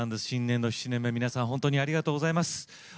新年度７年目皆さん本当にありがとうございます。